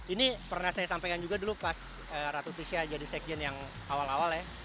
ini pernah saya sampaikan juga dulu pas ratu tisha jadi sekjen yang awal awal ya